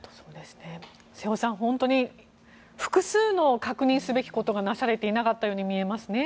瀬尾さん、本当に複数の確認すべきことがなされていなかったように見えますね。